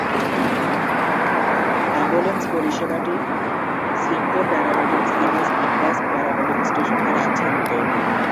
Ambulance পরিষেবাটি Simcoe paramedic service Angus paramedic station দ্বারা আচ্ছাদিত।